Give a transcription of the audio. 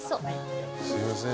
すいません。